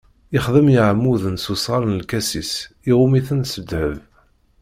Ixdem iɛmuden s usɣar n lkasis, iɣumm-iten s ddheb.